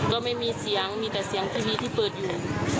ก็ไม่มีเสียงมีแต่เสียงทีวีที่เปิดอยู่